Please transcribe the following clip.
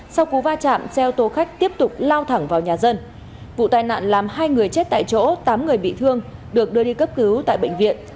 sau cú va chạm xe ô tô khách tiếp tục lao thẳng vào nhà dân vụ tai nạn làm hai người chết tại chỗ tám người bị thương được đưa đi cấp cứu tại bệnh viện